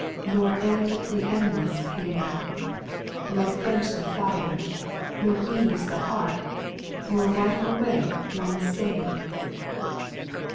Nor end the endless pain, Nor quench the fire, nor ease the heart. Nor wipe away one stain.